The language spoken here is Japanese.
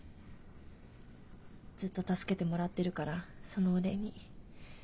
ずっと助けてもらってるからそのお礼に。